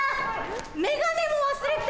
眼鏡も忘れて！